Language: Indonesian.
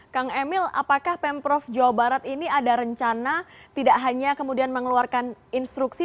kang emil apakah pemprov jawa barat ini ada rencana tidak hanya kemudian mengeluarkan instruksi